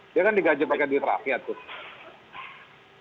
dia kan digajet gajet di rakyat tuh